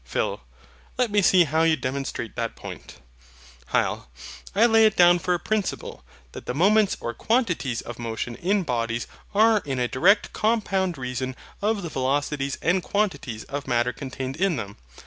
PHIL. Let me see how you demonstrate that point. HYL. I lay it down for a principle, that the moments or quantities of motion in bodies are in a direct compounded reason of the velocities and quantities of Matter contained in them.